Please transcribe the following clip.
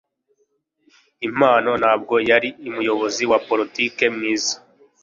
Impano ntabwo yari umuyobozi wa politiki mwiza.